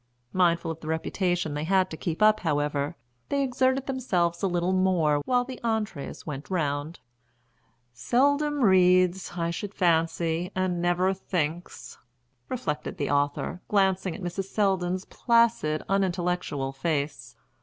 Mindful of the reputation they had to keep up, however, they exerted themselves a little more while the entrees went round. "Seldom reads, I should fancy, and never thinks!" reflected the author, glancing at Mrs. Selldon's placid unintellectual face.